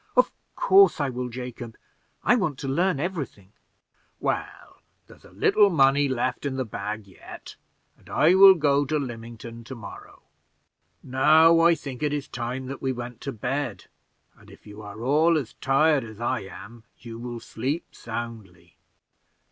"Of course I will, Jacob: I want to learn every thing." "Well, there's a little money left in the bag yet, and I will go to Lymington to morrow. Now I think it is time we were in bed; and if you are all as tired as I am, you will sleep soundly."